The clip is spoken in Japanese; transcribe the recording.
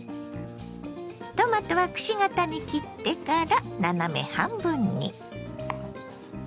トマトはくし形に切ってから斜め半分に。